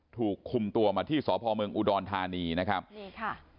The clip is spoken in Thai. ถูกคุมตัวมาที่สพเมืองอุดรธานีนะครับนี่ค่ะ